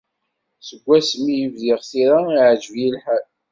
Seg wasmi i bdiɣ tira, iεejeb-iyi lḥal.